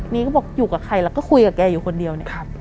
นี่ก็บอกอยู่กับใครแล้วก็คุยกับแกอยู่คนเดียวเนี่ย